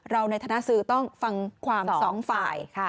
เราในฐานะสื่อต้องฟังความสองฝ่าย